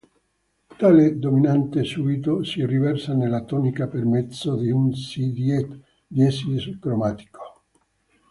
Tale dominante subito si riversa nella tonica per mezzo di un Si diesis cromatico.